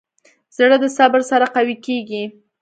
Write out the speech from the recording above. زړه د صبر سره قوي کېږي.